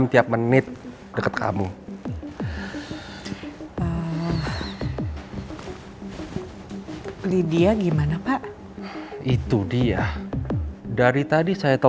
hitungan tiga ya